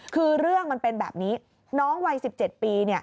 คือเรื่องมันเป็นแบบนี้น้องวัย๑๗ปี